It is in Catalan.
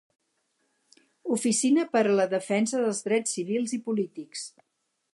Oficina per a la Defensa dels Drets Civils i Polítics.